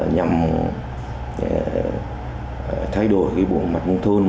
nhằm thay đổi cái mặt nông thôn